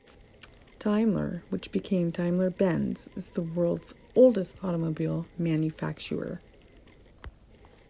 Daimler, which became Daimler-Benz, is the world's oldest automobile manufacturer.